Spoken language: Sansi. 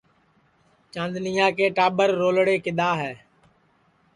چاندنِیا کے ٹاٻر رولڑے کِدؔا ہے